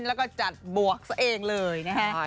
แล้วก็จัดบวกตัวเองเลยนะฮะ